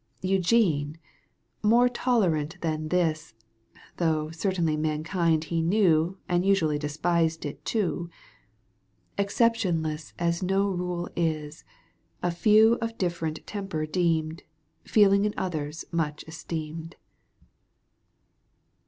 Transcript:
Eugene, more tolerant than this (Though certainly mankind he knew And usually despised it too). Exceptionless as no rule is, __ A few of different temper deemed, Feeling in others much esteemed.